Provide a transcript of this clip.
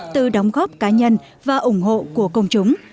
từ đóng góp cá nhân và ủng hộ của công chúng